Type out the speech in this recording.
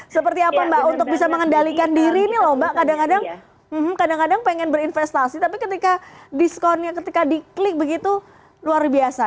seperti apa mbak untuk bisa mengendalikan diri nih lho mbak kadang kadang pengen berinvestasi tapi ketika diskonnya ketika diklik begitu luar biasa